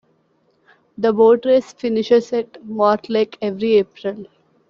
The Boat Race finishes at Mortlake every April.